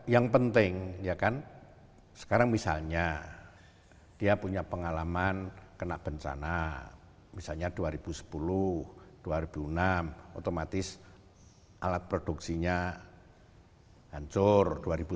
yang penting ya kan sekarang misalnya dia punya pengalaman kena bencana misalnya dua ribu sepuluh dua ribu enam otomatis alat produksinya hancur dua ribu sepuluh